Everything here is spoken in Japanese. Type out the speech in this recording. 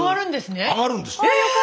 上がるんです！